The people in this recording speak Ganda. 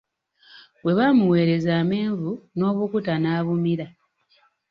Bwe baamuweereza amenvu N'obukuta n'abumira.